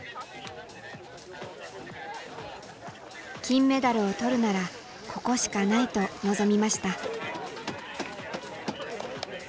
金メダルを取るならここしかないと臨みました。